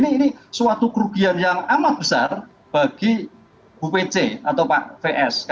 ini suatu kerugian yang amat besar bagi bu pece atau pak vs